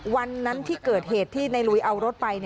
วันนั้นที่เกิดเหตุที่ในลุยเอารถไป